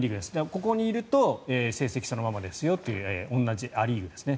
ここにいると成績、そのままですという同じア・リーグですね。